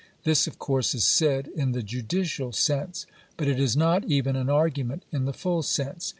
This, of course, is said in the judicial sense. But it is not even an argument, in the full sense.